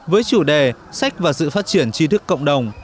với chủ đề sách và sự phát triển chi thức cộng đồng